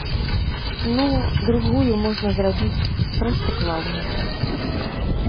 Ну, другую можна зрабіць проста плаўна.